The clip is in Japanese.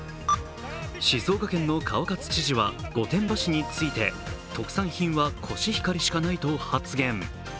静岡県の川勝知事は御殿場市について特産品はコシヒカリしかないと発言。